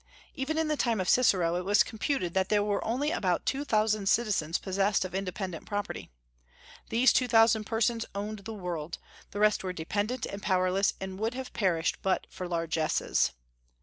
Even in the time of Cicero, it was computed that there were only about two thousand citizens possessed of independent property. These two thousand persons owned the world; the rest were dependent and powerless, and would have perished but for largesses.